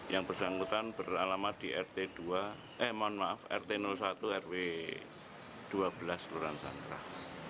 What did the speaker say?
yang bersangkutan beralama di rt satu rw dua belas luran sangkrah